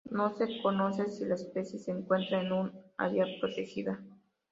No se conoce si la especie se encuentra en un área protegida.